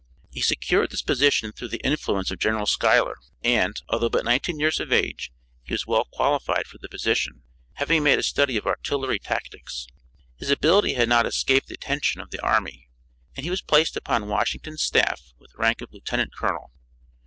He secured this position through the influence of General Schuyler and, although but nineteen years of age, he was well qualified for the position, having made a study of artillery tactics. His ability had not escaped the attention of the army, and he was placed upon Washington's staff with rank of lieutenant colonel.